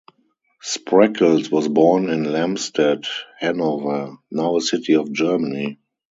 Spreckels was born in Lamstedt, Hanover, now a city of Germany.